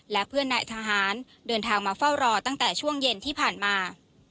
และเพื่อนนายทหารเดินทางมาเฝ้ารอตั้งแต่ช่วงเย็นที่ผ่านมา